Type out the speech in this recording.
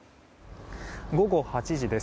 午後８時です。